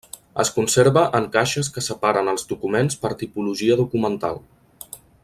Es conserva en caixes que separen els documents per tipologia documental.